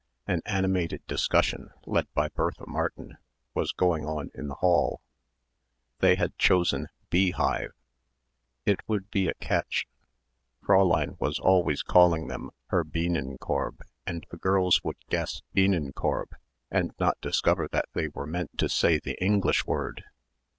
An animated discussion, led by Bertha Martin, was going on in the hall. They had chosen "beehive." It would be a catch. Fräulein was always calling them her Bienenkorb and the girls would guess Bienenkorb and not discover that they were meant to say the English word.